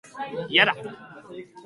いやだ